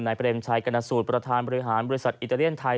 เปรมชัยกรณสูตรประธานบริหารบริษัทอิตาเลียนไทย